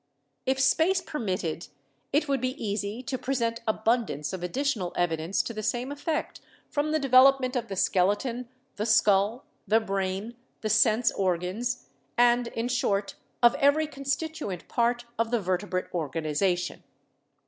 If space permitted it would be easy to present abun dance of additional evidence to the same effect from the development of the skeleton, the skull, the brain, the sense organs, and, in short, of every constituent part of the vertebrate organization.